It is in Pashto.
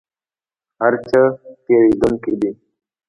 هر څه تیریدونکي دي